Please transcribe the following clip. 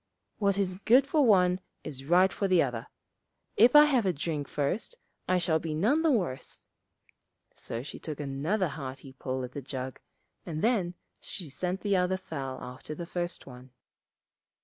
What is good for one is right for the other. If I have a drink first I shall be none the worse.' So she took another hearty pull at the jug, and then she sent the other fowl after the first one.